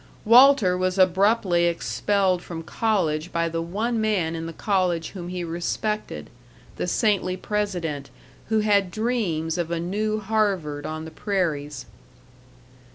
Walter was abruptly expelled from college by the one man in the college whom he respected the saintly president, who had dreams of a new Harvard on the prairies.